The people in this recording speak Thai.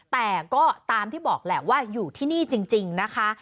แต่ก็ตามที่บอกแหละว่าอยู่ที่นี่จริงนะคะ